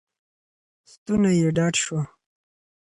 ستونی یې ډډ شو.